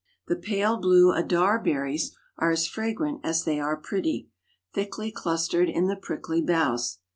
The pale blue adar berries are as fragrant as they are pretty, thickly clustered in the prickly boughs.